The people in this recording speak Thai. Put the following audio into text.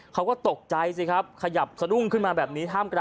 เขาก็ตกใจสิครับขยับสนุ่มขึ้นมาแบบนี้